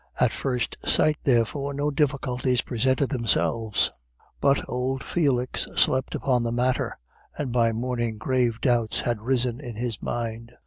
At first sight, therefore, no difficulties presented themselves; but old Felix slept upon the matter, and by morning grave doubts had risen in his mind.